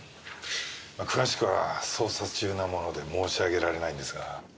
詳しくは捜査中なもので申し上げられないんですが。